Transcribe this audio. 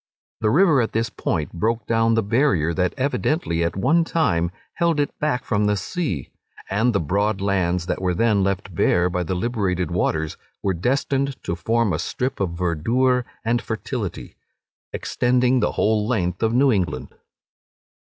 The river at this point broke down the barrier that evidently at one time held it back from the sea; and the broad lands that were then left bare by the liberated waters, were destined to form a strip of verdure and fertility, extending the whole length of New England.